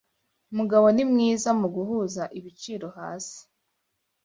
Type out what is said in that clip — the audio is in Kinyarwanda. Mugabo ni mwiza muguhuza ibiciro hasi.